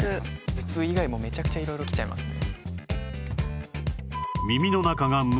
頭痛以外もめちゃくちゃ色々きちゃいますね。